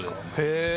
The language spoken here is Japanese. へえ。